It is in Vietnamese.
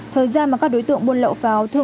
thời gian mà các đối tượng buôn lậu pháo